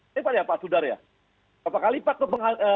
berapa kali lipat tuh